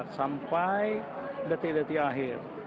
sampai detik detik akhir